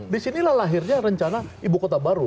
disinilah lahirnya rencana ibu kota baru